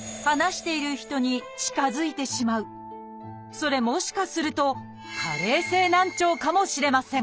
それもしかすると「加齢性難聴」かもしれません。